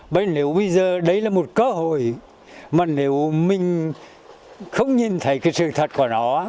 bây giờ đấy là một cơ hội mà nếu mình không nhìn thấy cái sự thật của nó